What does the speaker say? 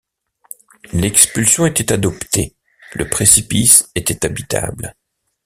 L’expulsion était adoptée ; le précipice était habitable.